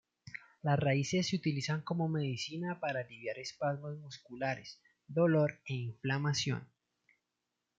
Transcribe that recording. Las raíces se utilizan como medicina para aliviar espasmos musculares, dolor e inflamación.